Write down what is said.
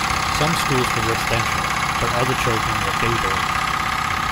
Some schools were residential but other children were 'day-boys'.